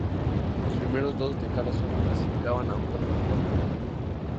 Los primeros dos de cada zona clasificaban a una cuadrangular final.